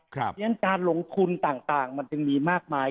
เพราะฉะนั้นการลงทุนต่างมันจึงมีมากมาย